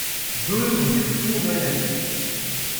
deux rue du Four de la Nation